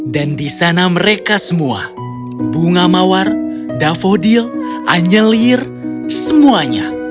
dan di sana mereka semua bunga mawar dafodil anjelir semuanya